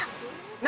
何？